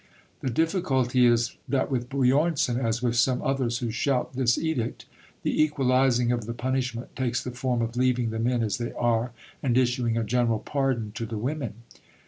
The difficulty is that with Björnson, as with some others who shout this edict, the equalising of the punishment takes the form of leaving the men as they are, and issuing a general pardon to the women.